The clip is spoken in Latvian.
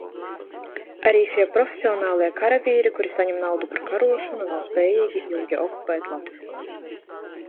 Arī šie profesionālie karavīri, kuri saņem naudu par karošanu, nav spējīgi ilgi okupēt Latviju.